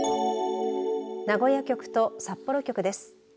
名古屋局と札幌局です。